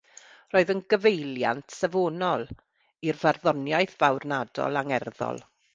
Roedd yn gyfeiliant safonol i'r farddoniaeth farwnadol angerddol.